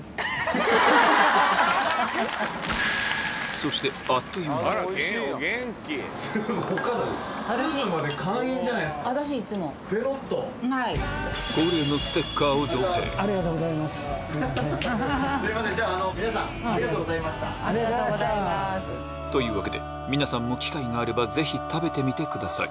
そして恒例のというわけで皆さんも機会があればぜひ食べてみてください